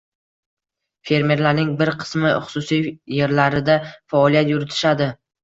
—Fermerlarning bir qismi xususiy yerlarida faoliyat yuritishadi